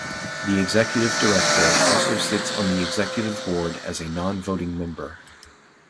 The Executive Director also sits on the Executive Board as a non-voting member.